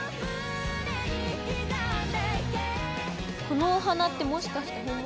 このお花ってもしかして本物？